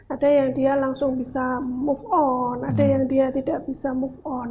ada yang dia langsung bisa move on ada yang dia tidak bisa move on